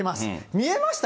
見えました？